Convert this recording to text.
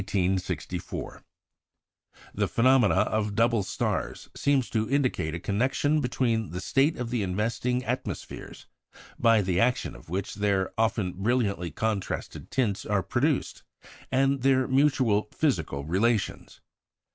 The phenomena of double stars seem to indicate a connection between the state of the investing atmospheres, by the action of which their often brilliantly contrasted tints are produced, and their mutual physical relations.